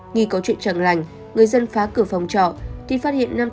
nghi có chuyện chẳng lành người dân phá cửa phòng trọ